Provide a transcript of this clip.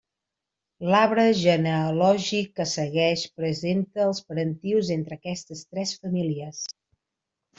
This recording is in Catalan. L'arbre genealògic que segueix presenta els parentius entre aquestes tres famílies.